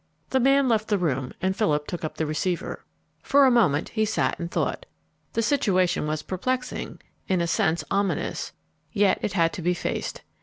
The man left the room and Philip took up the receiver. For a moment he sat and thought. The situation was perplexing, in a sense ominous, yet it had to be faced.